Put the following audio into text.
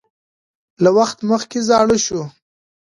له وخت مخکې زاړه شو